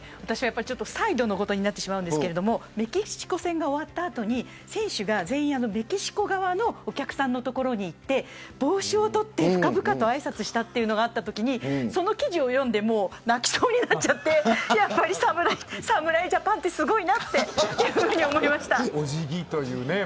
サイドのことになってしまうんですがメキシコ戦が終わった後選手が全員メキシコ側のお客さんの所に行って帽子を取って深々とあいさつをしたのがあったときその記事を読んで泣きそうになっちゃってやっぱり侍ジャパンってすごいなって思いました。